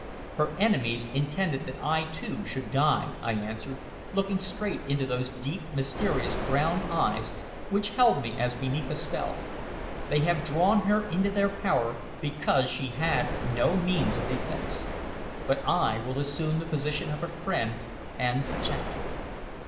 "Her enemies intended that I, too, should die!" I answered, looking straight into those deep mysterious brown eyes which held me as beneath a spell. "They have drawn her into their power because she had no means of defense. But I will assume the position of her friend and protector."